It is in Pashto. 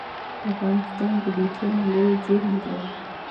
افغانستان د لیتیم لویې زیرمې لري